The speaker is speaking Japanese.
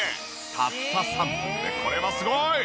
たった３分でこれはすごい！